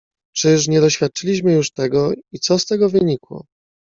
"Czyż nie doświadczyliśmy już tego i co z tego wynikło?"